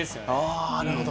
あぁなるほど。